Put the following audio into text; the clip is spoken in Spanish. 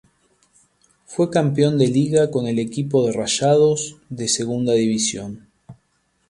Fue campeón de Liga con el equipo de Rayados de Segunda División.